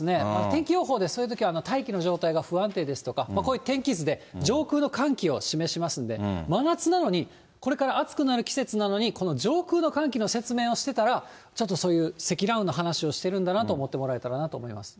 天気予報では、そういうときは大気の状態が不安定ですとか、こういう天気図で、上空の寒気を示しますんで、真夏なのに、これから暑くなる季節なのに、この上空の寒気の説明をしてたら、ちょっとそういう積乱雲の話をしてるんだなと思ってもらえたらなと思います。